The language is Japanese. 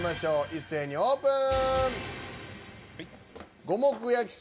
一斉にオープン。